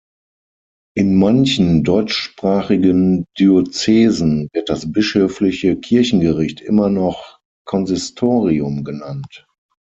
In manchen deutschsprachigen Diözesen wird das bischöfliche Kirchengericht immer noch "Konsistorium" genannt.